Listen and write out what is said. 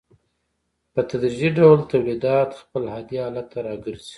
په تدریجي ډول تولیدات خپل عادي حالت ته راګرځي